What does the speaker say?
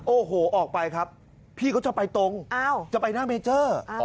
โอ้โหออกไปครับพี่เขาจะไปตรงจะไปหน้าเมเจอร์